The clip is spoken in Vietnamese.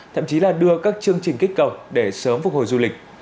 thậm chí là đưa các chương trình kích cầu để sớm phục hồi du lịch